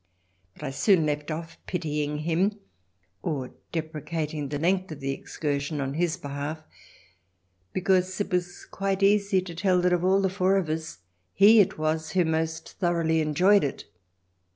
But I soon left off pitying him or depre cating the length of the excursion on his behalf, because it was quite easy to tell that of all the four of us he it was who most thoroughly enjoyed it.